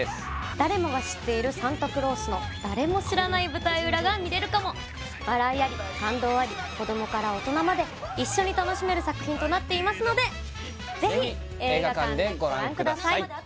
誰もが知っているサンタクロースの誰も知らない舞台裏が見れるかも笑いあり感動あり子どもから大人まで一緒に楽しめる作品となっていますので是非映画館でご覧ください